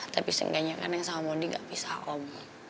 tapi seenggaknya kan neng sama mondi gak bisa om